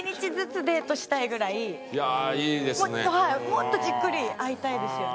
もっとじっくり会いたいですよね。